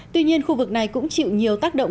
tuy nhiên khu vực này cũng chịu nhiều tác động